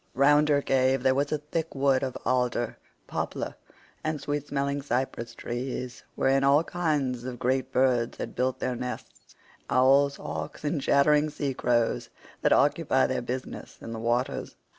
Round her cave there was a thick wood of alder, poplar, and sweet smelling cypress trees, wherein all kinds of great birds had built their nests—owls, hawks, and chattering sea crows that occupy their business in the waters.